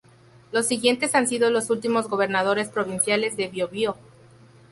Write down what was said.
Los siguientes han sido los últimos gobernadores provinciales de Biobío.